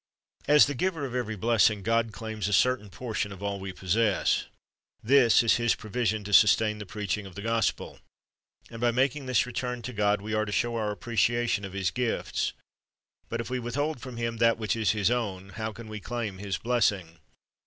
"* As the Giver of every blessing, God claims a certain portion of all we possess. This is His provision to sustain the preaching of the gospel. And by making this return to God, we are to show our appreciation of His gifts. But if we with hold from Him that which is His own, how can we claim His blessing?